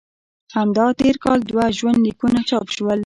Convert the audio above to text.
همدا تېر کال دوه ژوند لیکونه چاپ شول.